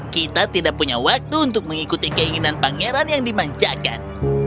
kita tidak punya waktu untuk mengikuti keinginan pangeran yang dimanjakan